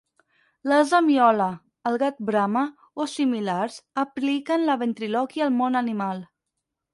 “L'ase miola”, “el gat brama” o similars apliquen la ventrilòquia al món animal.